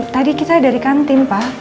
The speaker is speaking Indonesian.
tadi kita dari kantin pak